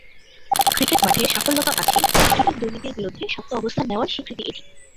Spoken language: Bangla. ক্রিকেট মাঠে সাফল্য তো আছেই, ক্রিকেট-দুর্নীতির বিরুদ্ধে শক্ত অবস্থান নেওয়ার স্বীকৃতি এটি।